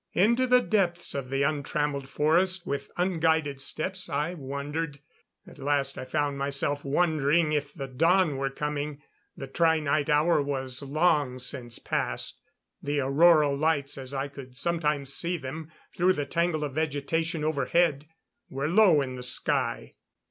Into the depths of the untrammeled forest with unguided steps I wandered. At last I found myself wondering if the dawn were coming; the tri night hour was long since passed; the auroral lights as I could sometimes see them through the tangle of vegetation overhead, were low in the sky.